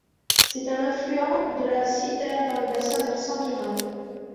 C'est un affluent de la Sitter, dans le bassin versant du Rhin.